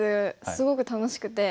すごく楽しくて。